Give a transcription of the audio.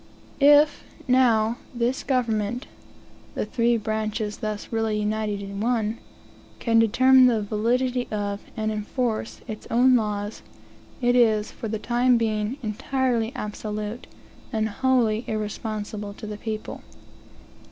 If, now, this government, (the three branches thus really united in one), can determine the validity of, and enforce, its own laws, it is, for the time being, entirely absolute, and wholly irresponsible to the people.